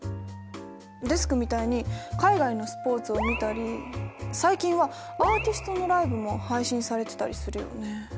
デスクみたいに海外のスポーツを見たり最近はアーティストのライブも配信されてたりするよね。